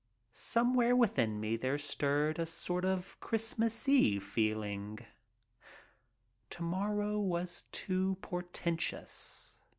Somewhere within me there stirred a sort of Christmas Eve feeling. To morrow was too portentous.